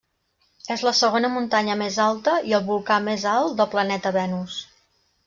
És la segona muntanya més alta, i el volcà més alt, del planeta Venus.